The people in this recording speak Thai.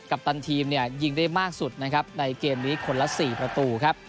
ปตันทีมเนี่ยยิงได้มากสุดนะครับในเกมนี้คนละ๔ประตูครับ